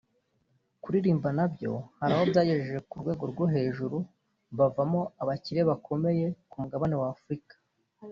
kuririmba nabyo hari abo byagejeje ku rwego rwo hejuru bavamo abakire bakoemeye ku mugabane wa Afurika